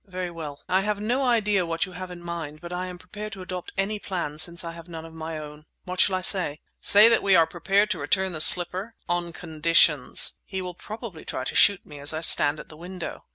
"Very well. I have no idea what you have in mind but I am prepared to adopt any plan since I have none of my own. What shall I say?" "Say that we are prepared to return the slipper—on conditions." "He will probably try to shoot me as I stand at the window."